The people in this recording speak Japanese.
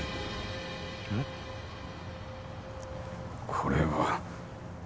これは。